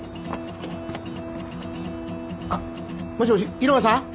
あっもしもし入間さん？